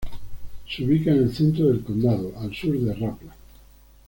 Se ubica en el centro del condado, al sur de Rapla.